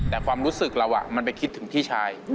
แต่ความรู้สึกเรามันไปคิดถึงพี่ชาย